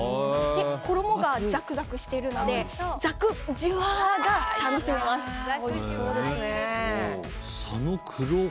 衣がザクザクしているのでザク、ジュワーがおいしそうですね。